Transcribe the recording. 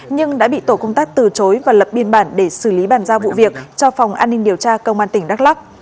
nhưng đã bị tổ công tác từ chối và lập biên bản để xử lý bàn giao vụ việc cho phòng an ninh điều tra công an tỉnh đắk lắc